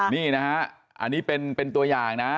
นี่นะฮะอันนี้เป็นตัวอย่างนะ